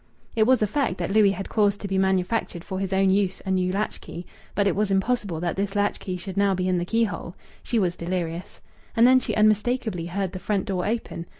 It was a fact that Louis had caused to be manufactured for his own use a new latch key. But it was impossible that this latch key should now be in the keyhole. She was delirious. And then she unmistakably heard the front door open.